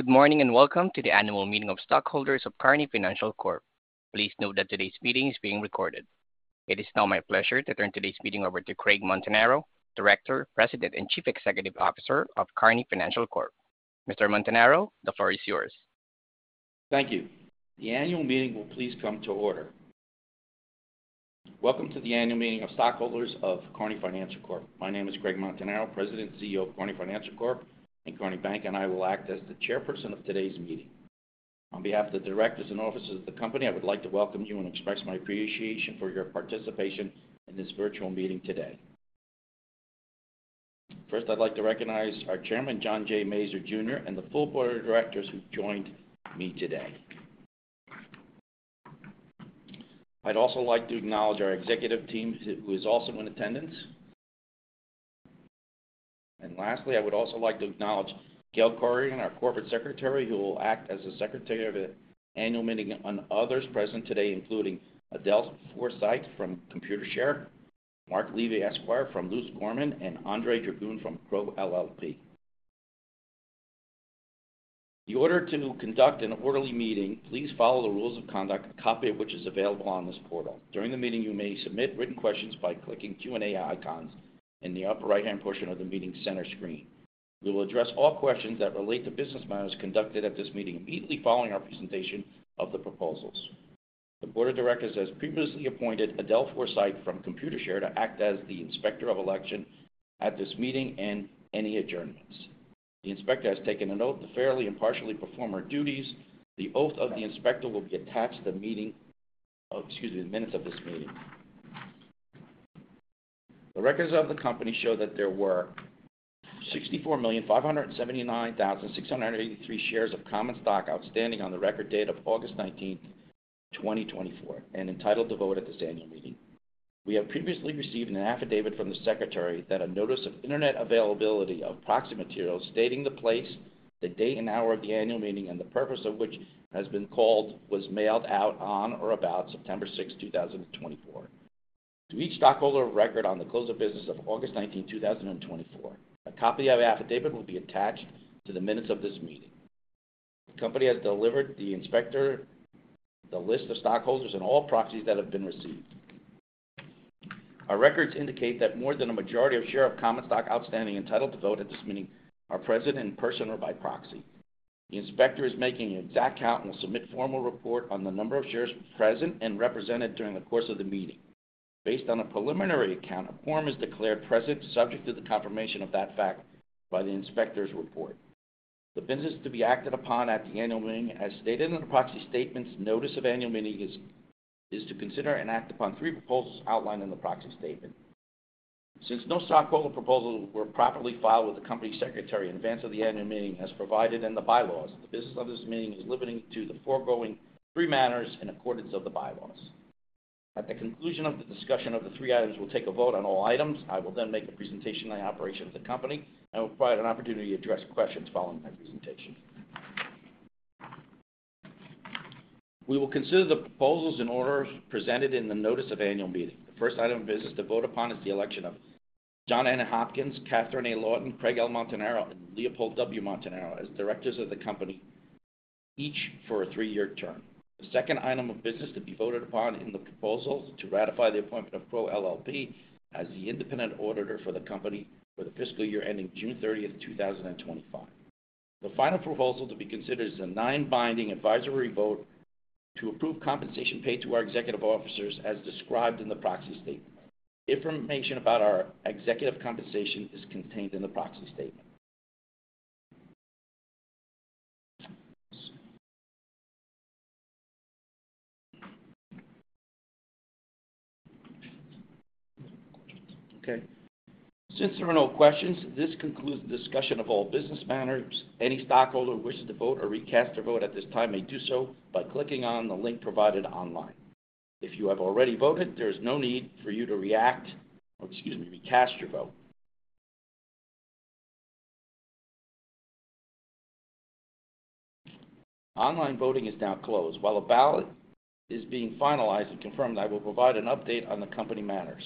Good morning, and welcome to the annual meeting of stockholders of Kearny Financial Corp. Please note that today's meeting is being recorded. It is now my pleasure to turn today's meeting over to Craig Montanaro, Director, President, and Chief Executive Officer of Kearny Financial Corp. Mr. Montanaro, the floor is yours. Thank you. The annual meeting will please come to order. Welcome to the annual meeting of stockholders of Kearny Financial Corp. My name is Craig Montanaro, President and CEO of Kearny Financial Corp. and Kearny Bank, and I will act as the chairperson of today's meeting. On behalf of the directors and officers of the company, I would like to welcome you and express my appreciation for your participation in this virtual meeting today. First, I'd like to recognize our chairman, John J. Mazur, Jr., and the full board of directors who've joined me today. I'd also like to acknowledge our executive team, who is also in attendance. And lastly, I would also like to acknowledge Gail Corrigan, our corporate secretary, who will act as the secretary of the annual meeting, and others present today, including Adele Forsythe from Computershare, Marc Levy, Esquire, from Luse Gorman, and Andre Dragun from Crowe LLP. In order to conduct an orderly meeting, please follow the rules of conduct, a copy of which is available on this portal. During the meeting, you may submit written questions by clicking Q&A icons in the upper right-hand portion of the meeting center screen. We will address all questions that relate to business matters conducted at this meeting immediately following our presentation of the proposals. The board of directors has previously appointed Adele Forsythe from Computershare to act as the Inspector of Election at this meeting and any adjournments. The inspector has taken an oath to fairly and impartially perform her duties. The oath of the inspector will be attached to the meeting, oh, excuse me, the minutes of this meeting. The records of the company show that there were 64,579,683 shares of common stock outstanding on the record date of August 19, 2024, and entitled to vote at this annual meeting. We have previously received an affidavit from the secretary that a notice of internet availability of proxy materials stating the place, the date and hour of the annual meeting, and the purpose of which has been called, was mailed out on or about September sixth, 2024. To each stockholder of record on the close of business of August 19, 2024. A copy of the affidavit will be attached to the minutes of this meeting. The company has delivered the inspector, the list of stockholders, and all proxies that have been received. Our records indicate that more than a majority of shares of common stock outstanding entitled to vote at this meeting are present in person or by proxy. The inspector is making an exact count and will submit formal report on the number of shares present and represented during the course of the meeting. Based on a preliminary count, a quorum is declared present, subject to the confirmation of that fact by the inspector's report. The business to be acted upon at the annual meeting, as stated in the proxy statement's notice of annual meeting, is to consider and act upon three proposals outlined in the proxy statement. Since no stockholder proposals were properly filed with the company secretary in advance of the annual meeting, as provided in the bylaws, the business of this meeting is limited to the foregoing three matters in accordance with the bylaws. At the conclusion of the discussion of the three items, we'll take a vote on all items. I will then make a presentation on the operation of the company and will provide an opportunity to address questions following my presentation. We will consider the proposals in order presented in the notice of annual meeting. The first item of business to vote upon is the election of John N. Hopkins, Catherine A. Lawton, Craig L. Montanaro, and Leopold W. Montanaro as directors of the company, each for a three-year term. The second item of business to be voted upon in the proposals: to ratify the appointment of Crowe LLP as the independent auditor for the company for the fiscal year ending June 30, 2025. The final proposal to be considered is a non-binding advisory vote to approve compensation paid to our executive officers, as described in the proxy statement. Information about our executive compensation is contained in the proxy statement. Okay. Since there are no questions, this concludes the discussion of all business matters. Any stockholder who wishes to vote or recast their vote at this time may do so by clicking on the link provided online. If you have already voted, there is no need for you to react, or excuse me, recast your vote. Online voting is now closed. While a ballot is being finalized and confirmed, I will provide an update on the company matters.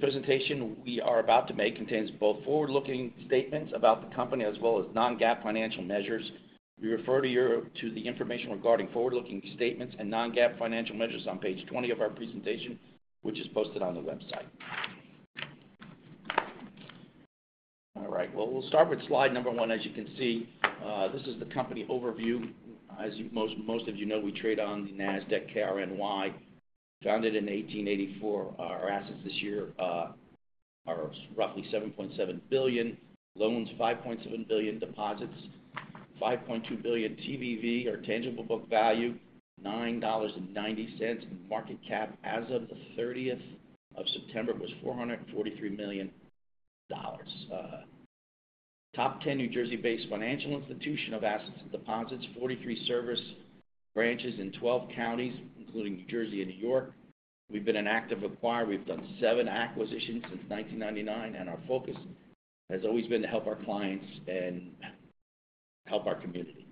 This presentation we are about to make contains both forward-looking statements about the company as well as non-GAAP financial measures. We refer to the information regarding forward-looking statements and non-GAAP financial measures on page 20 of our presentation, which is posted on the website. All right, well, we'll start with slide number one. As you can see, this is the company overview. As most of you know, we trade on the Nasdaq KRNY, founded in eighteen eighty-four. Our assets this year are roughly $7.7 billion. Loans, $5.7 billion. Deposits, $5.2 billion. TBV or tangible book value, $9.90, and market cap as of the thirtieth of September was $443 million. Top ten New Jersey-based financial institution of assets and deposits. Forty-three service branches in twelve counties, including New Jersey and New York. We've been an active acquirer. We've done seven acquisitions since nineteen ninety-nine, and our focus has always been to help our clients and help our community.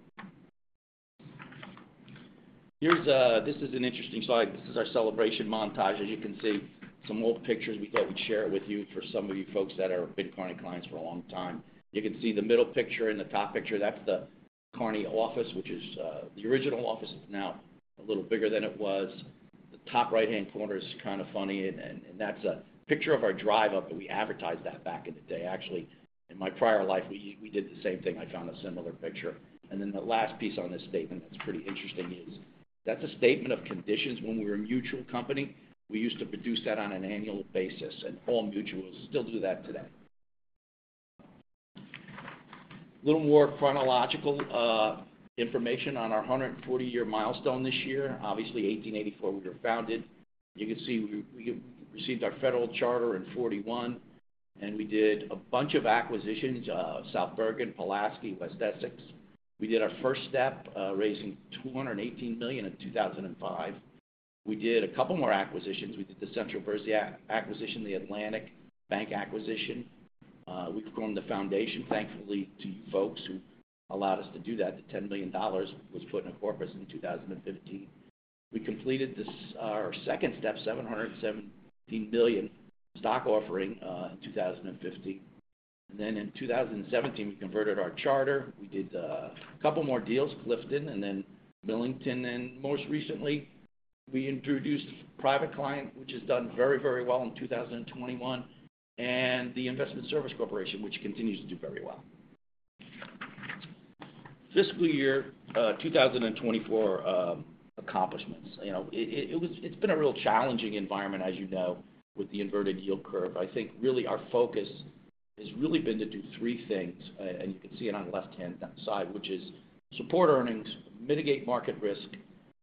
Here's, this is an interesting slide. This is our celebration montage. As you can see, some old pictures. We thought we'd share it with you for some of you folks that are big Kearny clients for a long time. You can see the middle picture and the top picture, that's the Kearny office, which is, the original office. It's now a little bigger than it was. The top right-hand corner is kind of funny, and that's a picture of our drive up, and we advertised that back in the day. Actually, in my prior life, we did the same thing. I found a similar picture, and then the last piece on this statement that's pretty interesting is that's a statement of conditions when we were a mutual company. We used to produce that on an annual basis, and all mutuals still do that today. A little more chronological information on our 140-year milestone this year. Obviously, 1884, we were founded. You can see we received our federal charter in 1941, and we did a bunch of acquisitions, South Bergen, Pulaski, West Essex. We did our first step, raising $218 million in 2005. We did a couple more acquisitions. We did the Central Jersey acquisition, the Atlantic Bank acquisition. We've grown the foundation, thankfully, to you folks who allowed us to do that. The $10 billion was put in a corpus in 2015. We completed this, our second step, $717 million stock offering in 2015. Then in 2017, we converted our charter. We did a couple more deals, Clifton and then Millington, and most recently, we introduced Private Client, which has done very, very well in 2021, and the investment service corporation, which continues to do very well. Fiscal year 2024 accomplishments. You know, it was, it's been a real challenging environment, as you know, with the inverted yield curve. I think really our focus has really been to do three things, and you can see it on the left-hand side, which is: support earnings, mitigate market risk,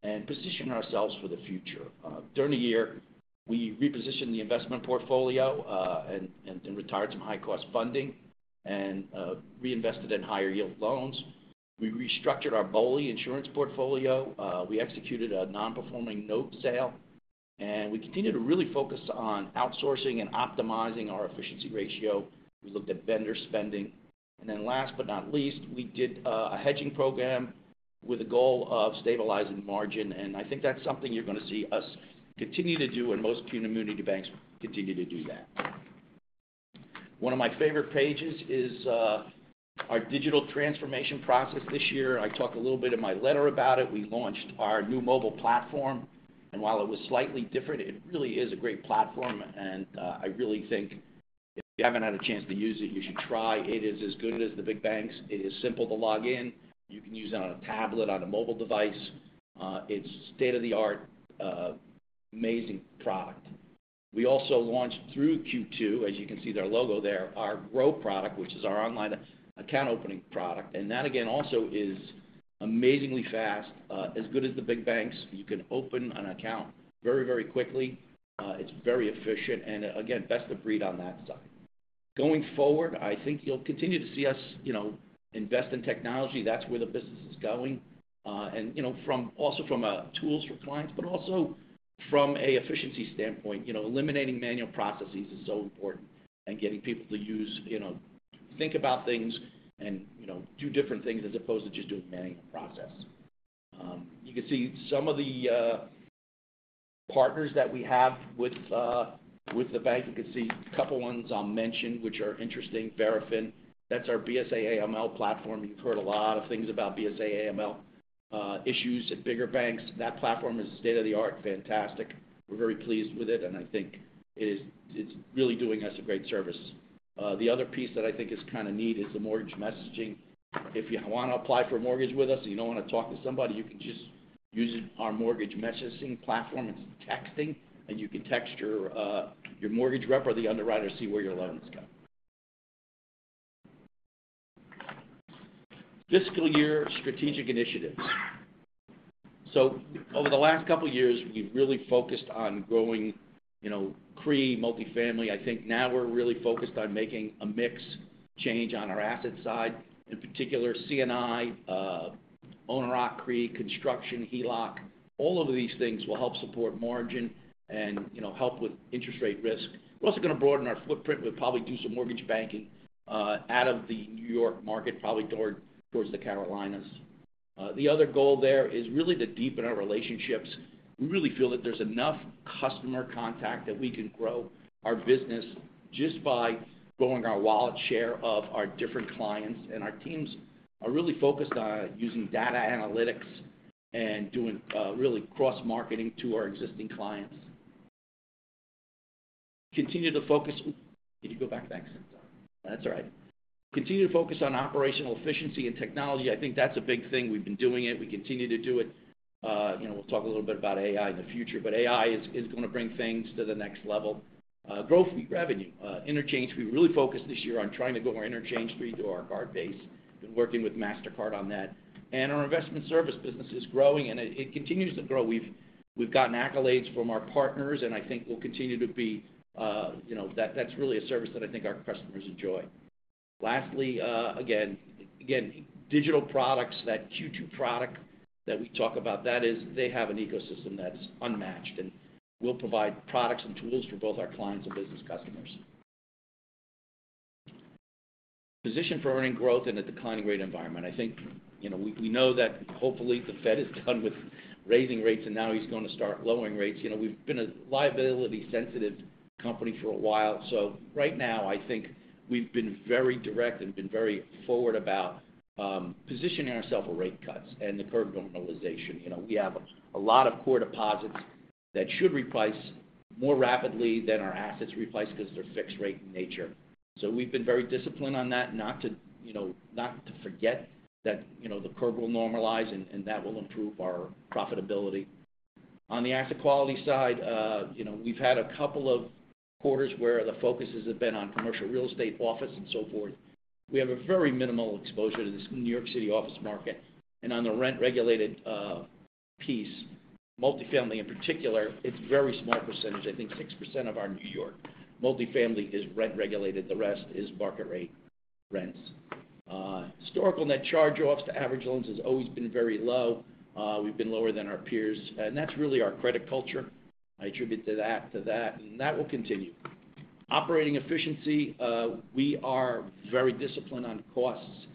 and position ourselves for the future. During the year, we repositioned the investment portfolio, and retired some high-cost funding and reinvested in higher-yield loans. We restructured our BOLI insurance portfolio. We executed a non-performing note sale, and we continued to really focus on outsourcing and optimizing our efficiency ratio. We looked at vendor spending. And then last but not least, we did a hedging program with the goal of stabilizing margin, and I think that's something you're going to see us continue to do, and most community banks continue to do that. One of my favorite pages is our digital transformation process this year. I talk a little bit in my letter about it. We launched our new mobile platform, and while it was slightly different, it really is a great platform, and I really think if you haven't had a chance to use it, you should try. It is as good as the big banks. It is simple to log in. You can use it on a tablet, on a mobile device. It's state-of-the-art, amazing product. We also launched through Q2, as you can see their logo there, our Gro product, which is our online account opening product. And that, again, also is amazingly fast, as good as the big banks. You can open an account very, very quickly. It's very efficient and, again, best of breed on that side. Going forward, I think you'll continue to see us, you know, invest in technology. That's where the business is going. And, you know, from tools for clients, but also from an efficiency standpoint, you know, eliminating manual processes is so important and getting people to use, you know, think about things and, you know, do different things as opposed to just doing manual process. You can see some of the partners that we have with the bank. You can see a couple ones I'll mention, which are interesting. Verafin, that's our BSA/AML platform. You've heard a lot of things about BSA/AML issues at bigger banks. That platform is state-of-the-art, fantastic. We're very pleased with it, and I think it is. It's really doing us a great service. The other piece that I think is kind of neat is the Mortgage Messaging. If you want to apply for a mortgage with us and you don't want to talk to somebody, you can just use it, our mortgage messaging platform. It's texting, and you can text your, your mortgage rep or the underwriter to see where your loan is going. Fiscal year strategic initiatives. So over the last couple of years, we've really focused on growing, you know, CRE, multifamily. I think now we're really focused on making a mix change on our asset side, in particular, C&I, owner occ CRE, construction, HELOC. All of these things will help support margin and, you know, help with interest rate risk. We're also going to broaden our footprint. We'll probably do some mortgage banking, out of the New York market, probably toward the Carolinas. The other goal there is really to deepen our relationships. We really feel that there's enough customer contact that we can grow our business just by growing our wallet share of our different clients. And our teams are really focused on using data analytics and doing really cross-marketing to our existing clients. Continue to focus. Can you go back? Thanks. That's all right. Continue to focus on operational efficiency and technology. I think that's a big thing. We've been doing it. We continue to do it. You know, we'll talk a little bit about AI in the future, but AI is going to bring things to the next level. Growth fee revenue, interchange. We really focused this year on trying to grow our interchange fee through our card base. Been working with Mastercard on that. And our investment service business is growing, and it continues to grow. We've gotten accolades from our partners, and I think we'll continue to be, you know, that's really a service that I think our customers enjoy. Lastly, again, digital products, that Q2 product that we talk about, that is they have an ecosystem that is unmatched, and we'll provide products and tools for both our clients and business customers position for earning growth in a declining rate environment. I think, you know, we know that hopefully the Fed is done with raising rates, and now he's going to start lowering rates. You know, we've been a liability-sensitive company for a while. So right now, I think we've been very direct and been very forward about positioning ourselves for rate cuts and the curve normalization. You know, we have a lot of core deposits that should reprice more rapidly than our assets reprice because they're fixed rate in nature. So we've been very disciplined on that, not to, you know, not to forget that, you know, the curve will normalize, and that will improve our profitability. On the asset quality side, you know, we've had a couple of quarters where the focuses have been on commercial real estate, office, and so forth. We have a very minimal exposure to this New York City office market, and on the rent-regulated piece, multifamily in particular, it's a very small percentage. I think 6% of our New York multifamily is rent-regulated. The rest is market-rate rents. Historical net charge-offs to average loans has always been very low. We've been lower than our peers, and that's really our credit culture. I attribute to that, to that, and that will continue. Operating efficiency, we are very disciplined on costs,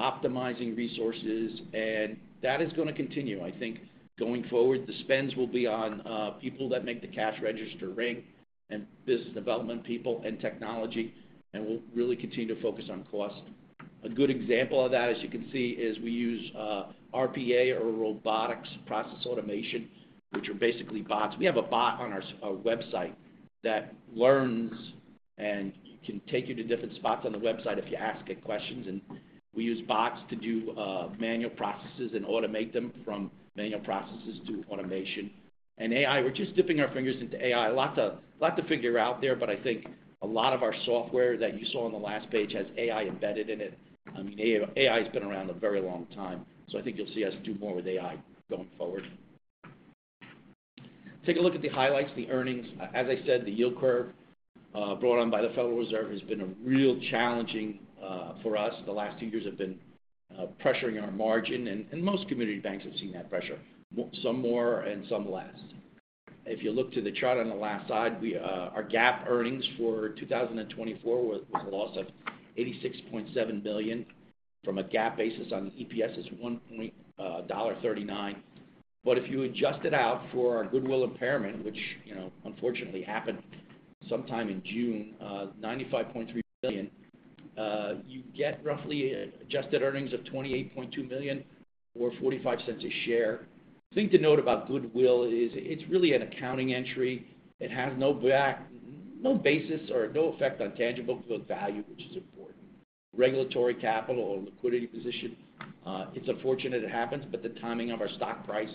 optimizing resources, and that is gonna continue. I think going forward, the spends will be on people that make the cash register ring and business development people and technology, and we'll really continue to focus on cost. A good example of that, as you can see, is we use RPA or robotic process automation, which are basically bots. We have a bot on our website that learns and can take you to different spots on the website if you ask it questions. And we use bots to do manual processes and automate them from manual processes to automation. And AI, we're just dipping our fingers into AI. Lots to figure out there, but I think a lot of our software that you saw on the last page has AI embedded in it. I mean, AI, AI has been around a very long time, so I think you'll see us do more with AI going forward. Take a look at the highlights, the earnings. As I said, the yield curve brought on by the Federal Reserve has been a real challenging for us. The last two years have been pressuring our margin, and most community banks have seen that pressure, some more and some less. If you look to the chart on the last slide, our GAAP earnings for 2024 was a loss of $86.7 million. From a GAAP basis on EPS is $1.39. But if you adjust it out for our goodwill impairment, which, you know, unfortunately happened sometime in June, 95.3 million, you get roughly adjusted earnings of 28.2 million or $0.45 a share. The thing to note about goodwill is it's really an accounting entry. It has no basis or no effect on tangible book value, which is important. Regulatory capital or liquidity position. It's unfortunate it happens, but the timing of our stock price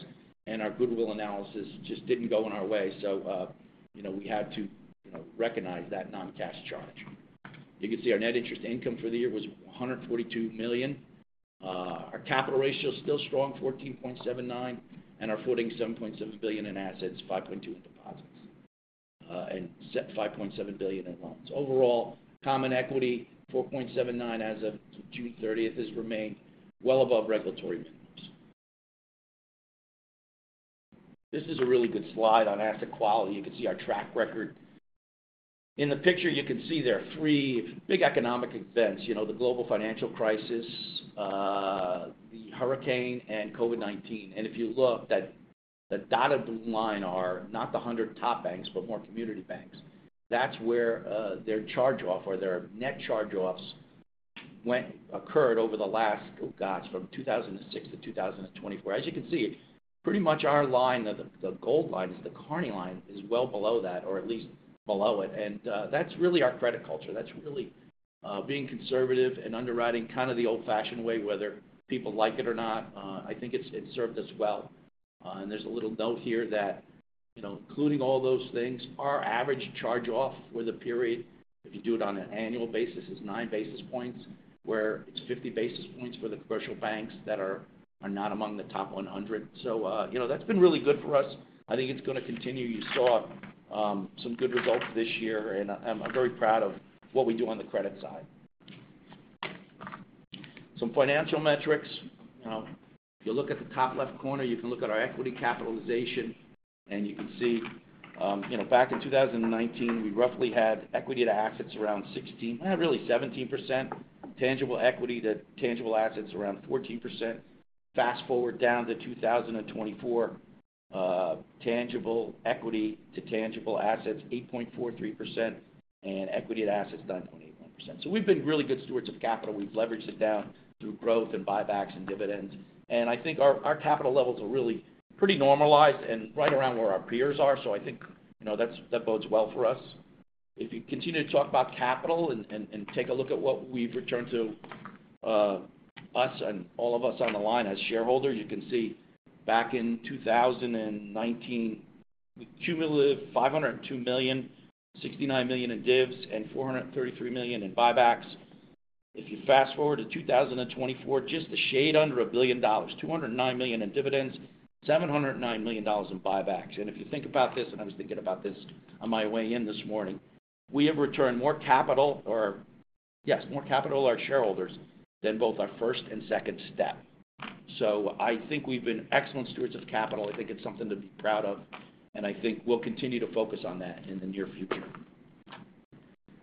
and our goodwill analysis just didn't go in our way. So, you know, we had to, you know, recognize that non-cash charge. You can see our net interest income for the year was $142 million. Our capital ratio is still strong, 14.79%, and our funding, $7.7 billion in assets, $5.2 billion in deposits, and net $5.7 billion in loans. Overall, common equity 4.79% as of June thirtieth has remained well above regulatory minimums. This is a really good slide on asset quality. You can see our track record. In the picture, you can see there are three big economic events, you know, the global financial crisis, the hurricane, and COVID-19. And if you look, that, the dotted line are not the top hundred banks, but more community banks. That's where their charge-off or their net charge-offs occurred over the last from 2006-2024. As you can see, pretty much our line, the gold line is the Kearny line, is well below that, or at least below it, that's really our credit culture. That's really being conservative and underwriting kind of the old-fashioned way, whether people like it or not. I think it's served us well, and there's a little note here that, you know, including all those things, our average charge-off for the period, if you do it on an annual basis, is nine basis points, where it's fifty basis points for the commercial banks that are not among the top one hundred. So, you know, that's been really good for us. I think it's gonna continue. You saw some good results this year, and I'm very proud of what we do on the credit side. Some financial metrics. If you look at the top left corner, you can look at our equity capitalization, and you can see, you know, back in 2019, we roughly had equity to assets around 16%... really 17%. Tangible equity to tangible assets around 14%. Fast-forward down to 2024, tangible equity to tangible assets, 8.43%, and equity to assets, 9.81%. So we've been really good stewards of capital. We've leveraged it down through growth and buybacks and dividends. And I think our capital levels are really pretty normalized and right around where our peers are. So I think, you know, that bodes well for us. If you continue to talk about capital and take a look at what we've returned to us and all of us on the line as shareholders, you can see back in 2019, we cumulative $502 million, $69 million in divs and $433 million in buybacks. If you fast-forward to 2024, just a shade under a billion dollars, $209 million in dividends, $709 million dollars in buybacks. And if you think about this, and I was thinking about this on my way in this morning, we have returned more capital or, yes, more capital to our shareholders than both our first and second step. So I think we've been excellent stewards of capital. I think it's something to be proud of, and I think we'll continue to focus on that in the near future.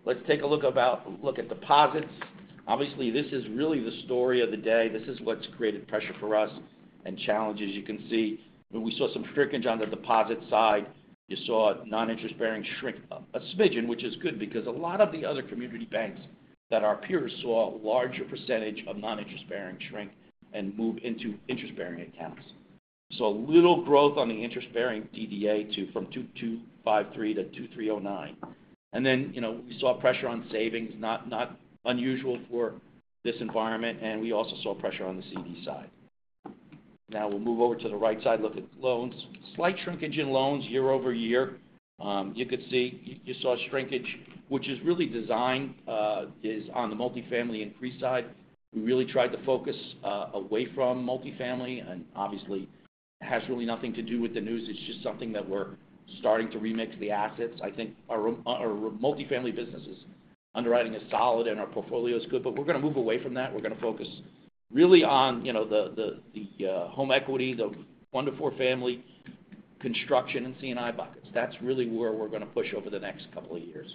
Let's take a look at deposits. Obviously, this is really the story of the day. This is what's created pressure for us and challenges. You can see, we saw some shrinkage on the deposit side. You saw non-interest-bearing shrink up a smidgen, which is good, because a lot of the other community banks that our peers saw a larger percentage of non-interest-bearing shrink and move into interest-bearing accounts. So a little growth on the interest-bearing DDA from 2,253-2,309. And then, you know, we saw pressure on savings, not unusual for this environment, and we also saw pressure on the CD side. Now we'll move over to the right side, look at loans. Slight shrinkage in loans year-over-year. You could see, you saw shrinkage, which is really designed, is on the multifamily increase side. We really tried to focus away from multifamily, and obviously has really nothing to do with the news. It's just something that we're starting to remix the assets. I think our multifamily business's underwriting is solid, and our portfolio is good, but we're going to move away from that. We're going to focus really on, you know, the home equity, the one to four family construction and C&I buckets. That's really where we're going to push over the next couple of years.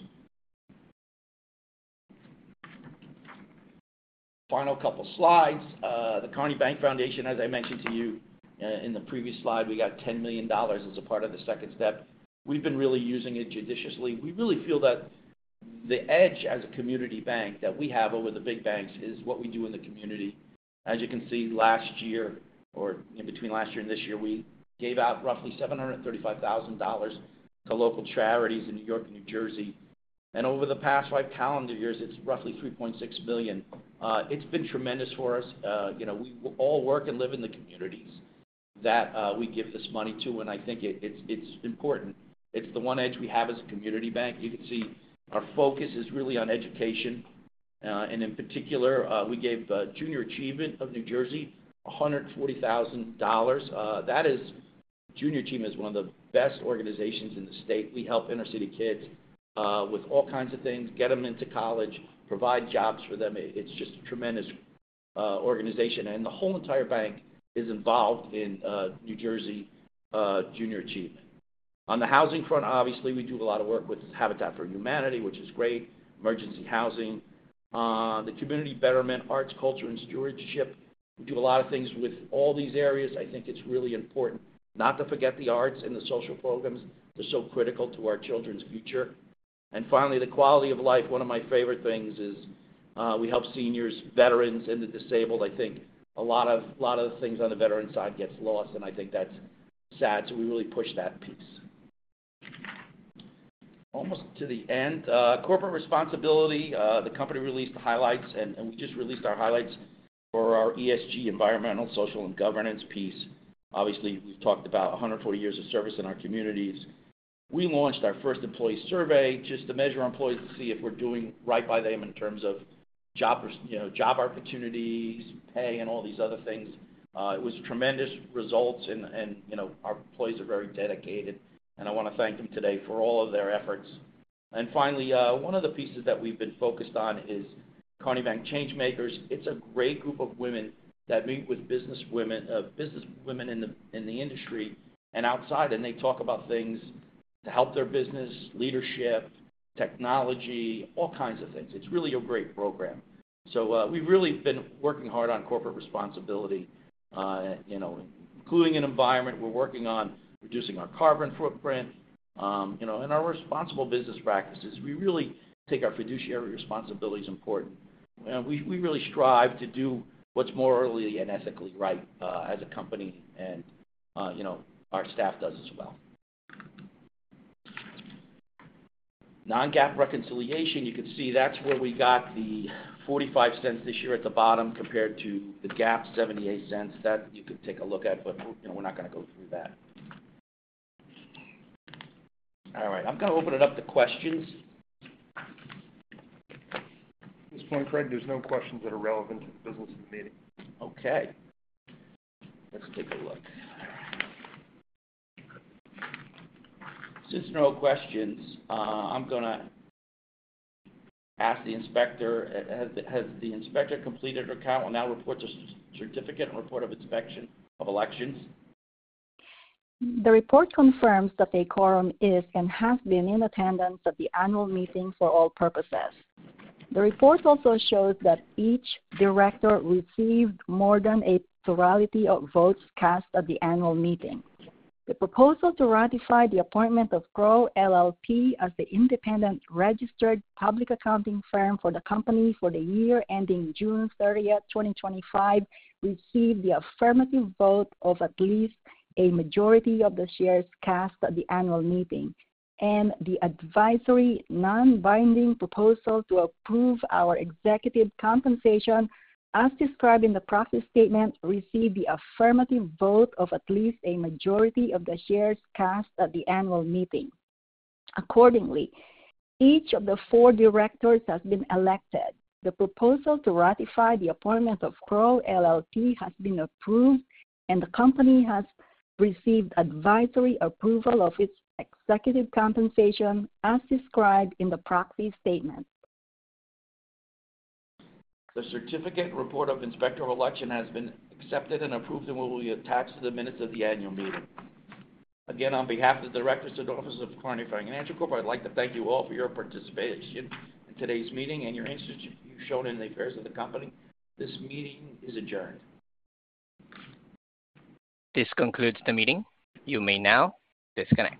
Final couple of slides. The Kearny Bank Foundation, as I mentioned to you, in the previous slide, we got $10 million as a part of the second step. We've been really using it judiciously. We really feel that the edge as a community bank that we have over the big banks is what we do in the community. As you can see, last year, or in between last year and this year, we gave out roughly $735,000 to local charities in New York and New Jersey. And over the past five calendar years, it's roughly $3.6 million. It's been tremendous for us. You know, we all work and live in the communities that we give this money to, and I think it's important. It's the one edge we have as a community bank. You can see our focus is really on education. And in particular, we gave Junior Achievement of New Jersey $140,000. That is... Junior Achievement is one of the best organizations in the state. We help inner city kids with all kinds of things, get them into college, provide jobs for them. It's just a tremendous organization, and the whole entire bank is involved in New Jersey Junior Achievement. On the housing front, obviously, we do a lot of work with Habitat for Humanity, which is great, emergency housing. The community betterment, arts, culture, and stewardship. We do a lot of things with all these areas. I think it's really important not to forget the arts and the social programs. They're so critical to our children's future. And finally, the quality of life. One of my favorite things is we help seniors, veterans, and the disabled. I think a lot of the things on the veteran side gets lost, and I think that's sad, so we really push that piece. Almost to the end. Corporate responsibility, the company released the highlights, and we just released our highlights for our ESG, Environmental, Social, and Governance piece. Obviously, we've talked about a hundred and forty years of service in our communities. We launched our first employee survey just to measure our employees to see if we're doing right by them in terms of job opportunities, pay, and all these other things. It was tremendous results and, you know, our employees are very dedicated, and I want to thank them today for all of their efforts. Finally, one of the pieces that we've been focused on is Kearny Bank ChangeMakers. It's a great group of women that meet with business women in the industry and outside, and they talk about things to help their business, leadership, technology, all kinds of things. It's really a great program. So, we've really been working hard on corporate responsibility, you know, including environmental. We're working on reducing our carbon footprint, you know, and our responsible business practices. We really think our fiduciary responsibility is important. We really strive to do what's morally and ethically right, as a company, and, you know, our staff does as well. Non-GAAP reconciliation, you can see that's where we got the $0.45 this year at the bottom, compared to the GAAP $0.78. That you could take a look at, but, you know, we're not going to go through that. All right, I'm going to open it up to questions. At this point, Craig, there's no questions that are relevant to the business of the meeting. Okay. Let's take a look. Since there are no questions, I'm gonna ask the inspector, has the inspector completed her count and now report the certificate and report of inspection of election? The report confirms that a quorum is and has been in attendance at the annual meeting for all purposes. The report also shows that each director received more than a plurality of votes cast at the annual meeting. The proposal to ratify the appointment of Crowe LLP as the independent registered public accounting firm for the company for the year ending June 30, 2025, received the affirmative vote of at least a majority of the shares cast at the annual meeting, and the advisory, non-binding proposal to approve our executive compensation, as described in the proxy statement, received the affirmative vote of at least a majority of the shares cast at the annual meeting. Accordingly, each of the four directors has been elected. The proposal to ratify the appointment of Crowe LLP has been approved, and the company has received advisory approval of its executive compensation, as described in the Proxy Statement. The certificate and report of the inspector of election has been accepted and approved and will be attached to the minutes of the annual meeting. Again, on behalf of the directors and the officers of Kearny Financial Corporation, I'd like to thank you all for your participation in today's meeting and your interest you've shown in the affairs of the company. This meeting is adjourned. This concludes the meeting. You may now disconnect.